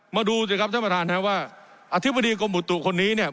ดูสิครับท่านประธานครับว่าอธิบดีกรมอุตุคนนี้เนี่ย